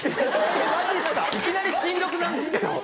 ・マジっすか・いきなりしんどくなんですけど！